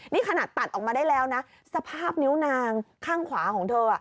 นี่ขนาดตัดออกมาได้แล้วนะสภาพนิ้วนางข้างขวาของเธอ